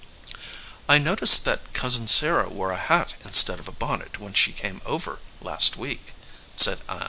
"I noticed that Cousin Sarah wore a hat instead 79 EDGEWATER PEOPLE of a bonnet when she came over last week," said Ann.